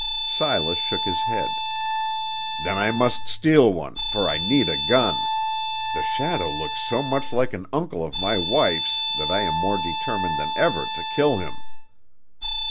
Silas shook his head. "Then I must steal one, for I need a gun. The shadow looks so much like an uncle of my wife's that I am more determined than ever to kill him."